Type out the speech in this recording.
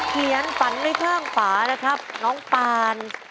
กลายใจร้ายต่อความฝันที่เราเฝ้ารอ